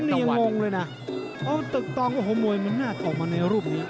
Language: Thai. นี่ยังงงเลยนะโอ้ตึกตองโอ้โหมวยมันน่าจะออกมาในรูปนี้